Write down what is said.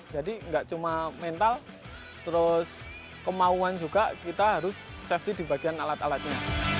jadi nggak cuma mental terus kemauan juga kita harus safety di bagian alat alatnya